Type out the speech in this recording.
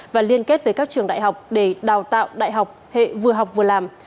và liên kết với các trường đại học để đào tạo đại học hệ vừa học vừa làm